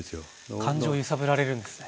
感情を揺さぶられるんですね。